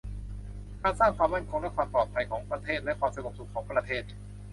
การสร้างความมั่นคงและความปลอดภัยของประเทศ และความสงบสุขของประเทศ